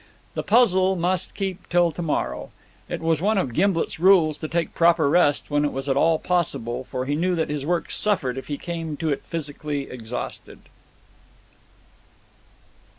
The puzzle must keep till to morrow. It was one of Gimblet's rules to take proper rest when it was at all possible, for he knew that his work suffered if he came to it physically exhausted.